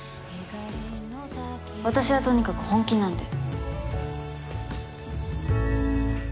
私はとにかく本気なんで。